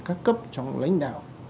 các cấp trong lãnh đạo